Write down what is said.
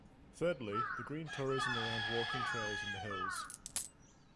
Thirdly, the green tourism around walking trails in the hills.